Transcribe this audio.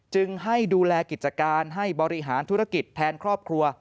จึงให้ดูแลกิจการให้บริหารธุรกิจแทนครอบครัว